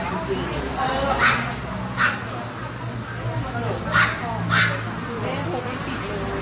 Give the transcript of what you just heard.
มันจะสร้างมากทุกอย่างยังได้